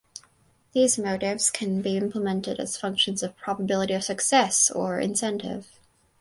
These motives can be implemented as functions of probability of success or incentive.